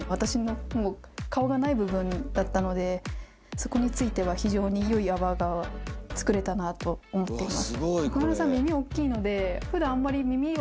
そこについては非常に良い泡が作れたなと思っています。